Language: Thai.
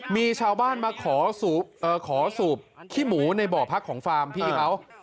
มีชาวบ้านมาขอสูบขี้หมูในบ่อพักของฟาร์มพี่เขา